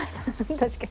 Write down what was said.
確かに。